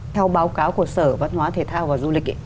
theo báo cáo của sở văn hóa thể thao và du lịch